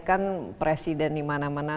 kan presiden dimana mana